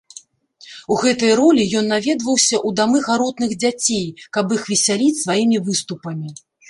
У гэтай ролі ён наведваўся ў дамы гаротных дзяцей, каб іх весяліць сваімі выступамі.